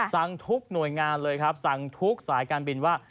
สั่งทุกหน่วยงานเลยครับสั่งทุกสายการบินว่า